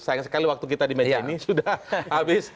sayang sekali waktu kita di meja ini sudah habis